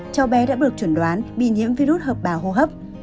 cháu bé đã được chuẩn đoán bị nhiễm virus hợp bào hô hấp